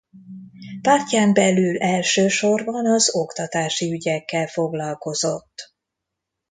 Pártján belül elsősorban az oktatási ügyekkel foglalkozott.